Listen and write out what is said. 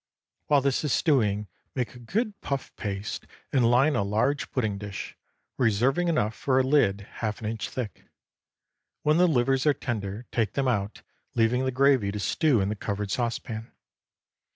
While this is stewing make a good puff paste and line a large pudding dish, reserving enough for a lid half an inch thick. When the livers are tender, take them out, leaving the gravy to stew in the covered saucepan.